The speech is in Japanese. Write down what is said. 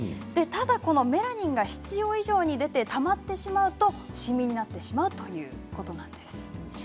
ただメラニンが必要以上に出て、たまってしまうとシミになってしまうということなんです。